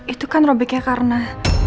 itu kan robeknya karena